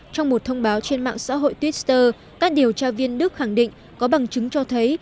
trong một thông báo trên mạng xã hội twitter các điều tra viên đức khẳng định có bằng chứng cho thấy